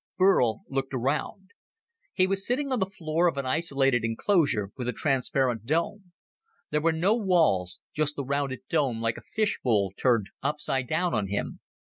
Burl looked around. He was sitting on the floor of an isolated enclosure with a transparent dome. There were no walls, just the rounded dome like a fishbowl turned upside down on him.